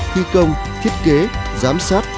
thi công thiết kế giám sát